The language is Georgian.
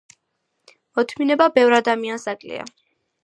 მოთმინება ბევრ ადამიანს აკლია.